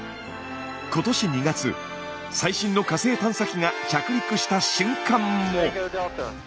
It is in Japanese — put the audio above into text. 最新の火星探査機が着陸した瞬間も。